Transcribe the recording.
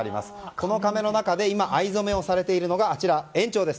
このかめの中で今、藍染めをされているのが園長です。